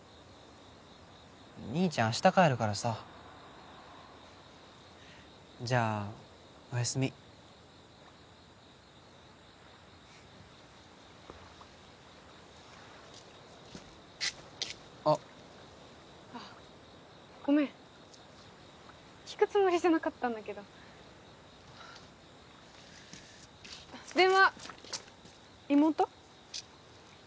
兄ちゃん明日帰るからさじゃあおやすみああごめん聞くつもりじゃなかったんだけど電話妹？